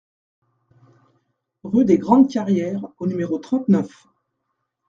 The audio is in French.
Rue des Grandes Carrières au numéro trente-neuf